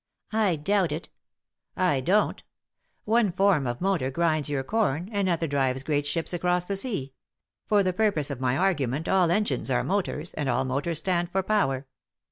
"I doubt it" "I don't One form of motor grinds your com, another drives great ships across the sea. For the purpose of my argument all engines are motors, and all motors stand for power."